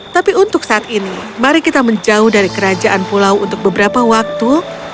tapi untuk saat ini mari kita menjauh dari kerajaan pulau untuk beberapa waktu